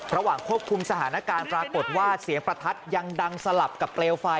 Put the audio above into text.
ระหว่างควบคุมสถานการณ์ปรากฏว่าเสียงประทัดยังดังสลับกับเปลวไฟ